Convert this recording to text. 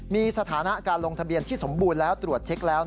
มีสถานะการลงทะเบียนที่สมบูรณ์แล้วตรวจเช็คแล้ว